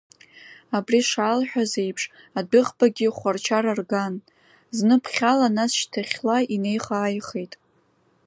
Абри шаалҳәаз еиԥш, адәыӷбагьы хәар-чар арган, зны ԥхьала, нас шьҭахьла инеиха-ааихеит.